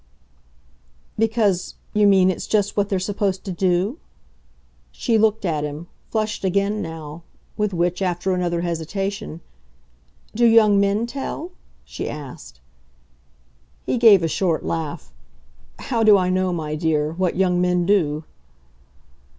"Because, you mean, it's just what they're supposed to do?" She looked at him, flushed again now; with which, after another hesitation, "Do young men tell?" she asked. He gave a short laugh. "How do I know, my dear, what young men do?"